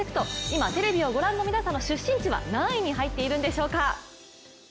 今、テレビをご覧の皆さんの出身地は何位に入っているでしょうか。